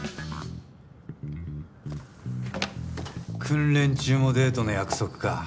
訓練中もデートの約束か。